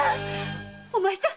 お前さん！